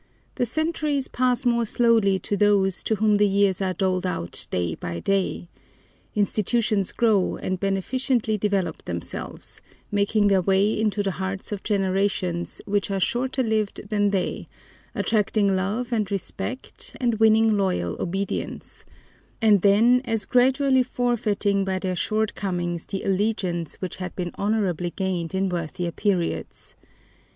The centuries pass more slowly to those to whom the years are doled out day by day. Institutions grow and beneficently develop themselves, making their way into the hearts of generations which are shorter lived than they, attracting love and respect, and winning loyal obedience; and then as gradually forfeiting by their shortcomings the allegiance which had been honorably gained in worthier periods.